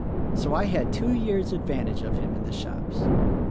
So I had two years advantage of him in the shops.